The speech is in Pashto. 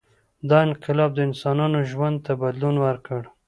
• دا انقلاب د انسانانو ژوند ته بدلون ورکړ.